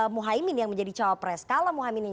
kalau muhaymin yang jadi caopres itu sudah dibuat